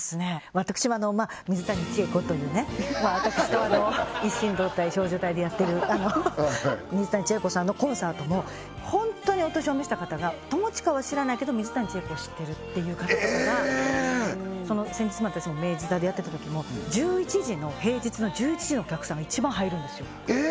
私も水谷千重子というね私とあの一心同体少女隊でやってる水谷千重子さんのコンサートも本当にお年を召した方が友近は知らないけど水谷千重子を知ってるっていう方々が先日も私も明治座でやってたときも平日の１１時のお客さんが一番入るんですよえ